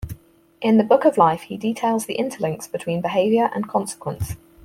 In the "Book of Life", he details the interlinks between behavior and consequence.